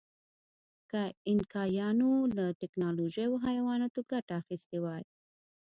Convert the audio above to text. که اینکایانو له ټکنالوژۍ او حیواناتو ګټه اخیستې وای.